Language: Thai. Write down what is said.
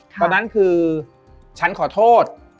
ตอนนั้นคือฉันขอโทษ